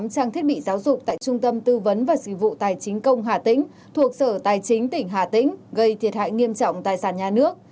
trang thiết bị giáo dục tại trung tâm tư vấn và dịch vụ tài chính công hà tĩnh thuộc sở tài chính tỉnh hà tĩnh gây thiệt hại nghiêm trọng tài sản nhà nước